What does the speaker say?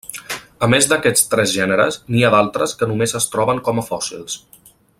A més d'aquests tres gèneres, n'hi ha d'altres que només es troben com a fòssils.